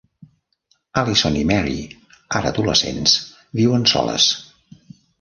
Allison i Marie, ara adolescents, viuen soles.